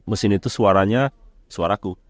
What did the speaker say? mesin itu suaranya suaraku